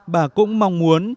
bà cũng mong muốn